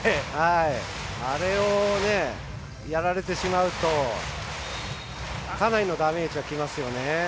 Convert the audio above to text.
あれをやられてしまうとかなりのダメージがきますよね。